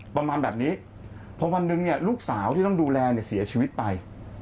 พอวันหนึ่งเนี่ยลูกสาวที่ต้องดูแลเสียชีวิตไป